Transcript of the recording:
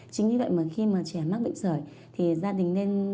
chính vì vậy mà khi mà trẻ mắc bệnh sởi thì gia đình nên